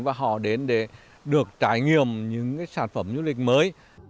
và họ đến để được trải nghiệm những sản phẩm du lịch mới